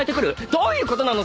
どういうことなの？